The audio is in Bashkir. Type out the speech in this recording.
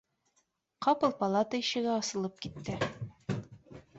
Ҡапыл палата ишеге асылып китте